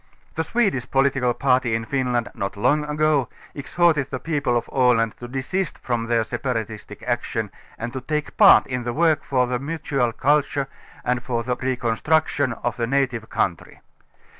The Swedish political party in Finland, not long ago, exhorted the people of Aland to desist from their separatistic action and to take part in the work for the mutual culture and for the reconstruction of the native country.